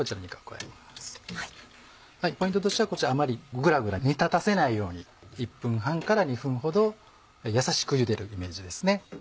ポイントとしてはこちらあまりグラグラ煮立たせないように１分半から２分ほどやさしく茹でるイメージです。